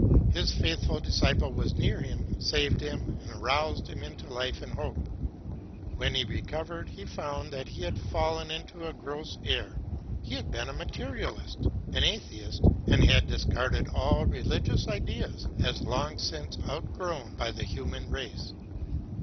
His faithful disciple was near him, saved him, and aroused him into life and hope. When he recovered he found that he had fallen into a gross error. He had been a materialist, an atheist, and had discarded all religious ideas as long since outgrown by the human race.